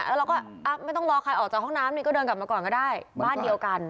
แล้วเราก็ไม่ต้องรอใครออกจากห้องน้ำนี่ก็เดินกลับมาก่อนก็ได้บ้านเดียวกัน